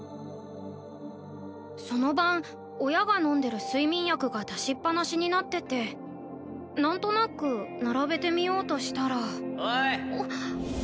その晩親が飲んでる睡眠薬が出しっぱなしになってて何となく並べてみようとしたらおい！